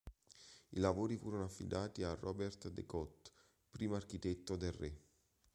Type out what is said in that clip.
I lavori furono affidati a Robert de Cotte, primo architetto del re.